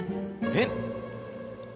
えっ？